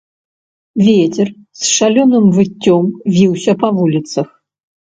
Вецер з шалёным выццём віўся па вуліцах.